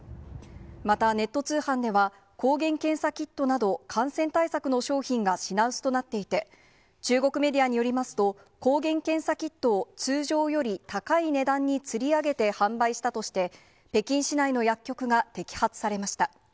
またネット通販では、抗原検査キットなど、感染対策の商品が品薄となっていて、中国メディアによりますと、抗原検査キットを通常より高い値段につり上げて販売したとして、北京市内の薬局が摘発されました。